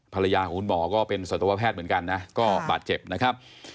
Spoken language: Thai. ภรรยาของคุณหมอก็เป็นสัตวแพทย์เหมือนกันนะก็บาดเจ็บนะครับ